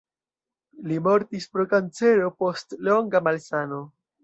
Li mortis pro kancero post longa malsano.